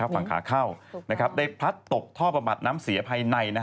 ฝั่งขาเข้าได้พลัดตกท่อประบัดน้ำเสียภายใน